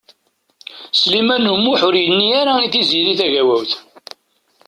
Sliman U Muḥ ur yenni ara i Tiziri Tagawawt.